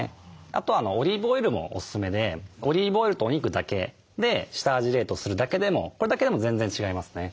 あとオリーブオイルもおすすめでオリーブオイルとお肉だけで下味冷凍するだけでもこれだけでも全然違いますね。